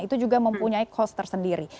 itu juga mempunyai cost tersendiri